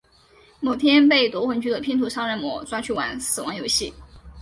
某天被夺魂锯的拼图杀人魔抓去玩死亡游戏。